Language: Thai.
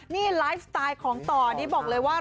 นี่ไลฟ์สไตล์ของต่อนี่บอกเลยว่า